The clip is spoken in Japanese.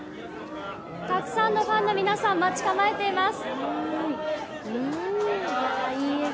たくさんのファンの皆さん待ち構えています。